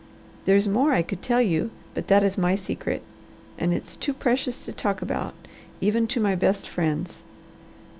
There's more I could tell you, but that is my secret, and it's too precious to talk about, even to my best friends.